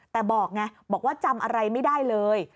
แต่บอกไงบอกว่าจำอะไรไม่ได้เลย